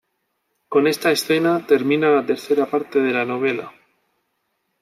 Con esta escena termina la tercera parte de la novela.